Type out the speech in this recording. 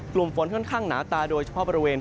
กลุ่มฝนค่อนข้างหนาตาโดยเฉพาะบริเวณ